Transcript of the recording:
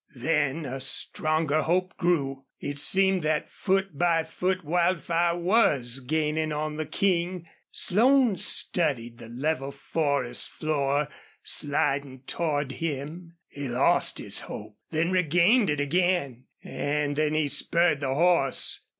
Then a stronger hope grew. It seemed that foot by foot Wildfire was gaining on the King. Slone studied the level forest floor sliding toward him. He lost his hope then regained it again, and then he spurred the horse.